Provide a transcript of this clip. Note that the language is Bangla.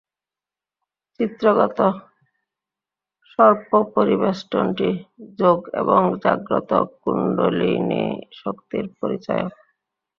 চিত্রগত সর্পপরিবেষ্টনটি যোগ এবং জাগ্রত কুণ্ডলিনীশক্তির পরিচায়ক।